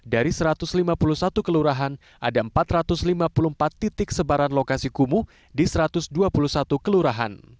dari satu ratus lima puluh satu kelurahan ada empat ratus lima puluh empat titik sebaran lokasi kumuh di satu ratus dua puluh satu kelurahan